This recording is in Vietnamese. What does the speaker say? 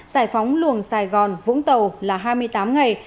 giải phóng luồng sài gòn vũng tàu là hai mươi tám ngày